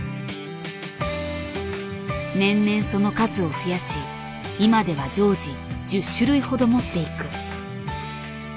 年々その数を増やし今では常時１０種類ほど持っていく。